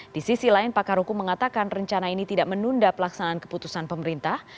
di sisi lain pakar hukum mengatakan rencana ini tidak menunda pelaksanaan keputusan pemerintah